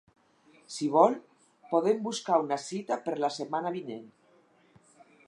Si vol, podem buscar una cita per la setmana vinent.